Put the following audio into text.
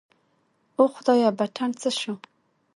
اوه خدايه بټن څه سو.